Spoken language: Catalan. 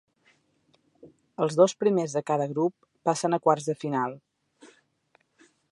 Els dos primers de cada grup passen a quarts de final.